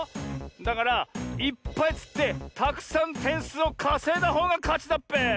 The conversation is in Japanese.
だからいっぱいつってたくさんてんすうをかせいだほうがかちだっぺ！